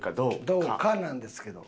どうかなんですけど。